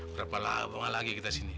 berapa lagi kita sini